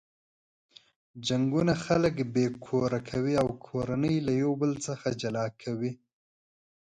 جنګونه خلک بې کوره کوي او کورنۍ له یو بل څخه جلا کوي.